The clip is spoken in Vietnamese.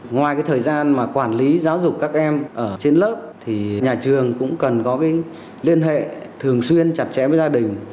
ngoài cái thời gian mà quản lý giáo dục các em ở trên lớp thì nhà trường cũng cần có cái liên hệ thường xuyên chặt chẽ với gia đình